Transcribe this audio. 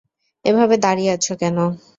এভাবে দাঁড়িয়ে আছ কেন?